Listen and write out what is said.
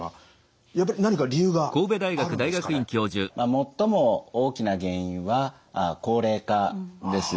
最も大きな原因は高齢化です。